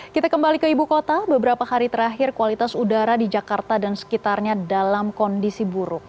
kita kembali ke ibu kota beberapa hari terakhir kualitas udara di jakarta dan sekitarnya dalam kondisi buruk